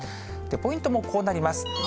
ポイントもこうなります。